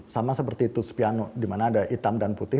sama seperti tus piano di mana ada hitam dan putih